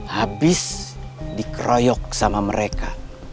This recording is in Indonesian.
habis dikroyok sama mereka